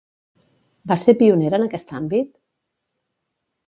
Va ser pionera en aquest àmbit?